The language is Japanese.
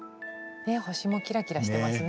星もキラキラしてますね。